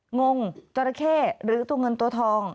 งงจราเข้หรือตัวเงินตัวทอง